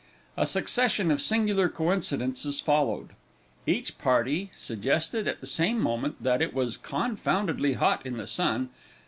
A succession of singular coincidences followed. Each party suggested at the same moment, that it was confoundedly hot in the sun.